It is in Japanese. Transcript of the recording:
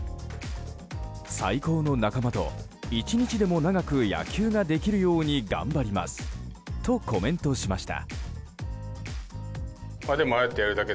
最高の仲間と一日でも長く野球ができるように頑張りますとコメントしました。